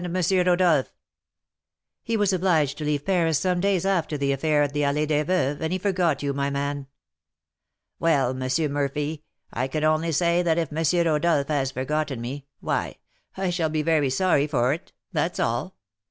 Rodolph?' 'He was obliged to leave Paris some days after the affair of the Allée des Veuves, and he forgot you, my man.' 'Well, M. Murphy, I can only say that if M. Rodolph has forgotten me, why I shall be very sorry for it, that's all.'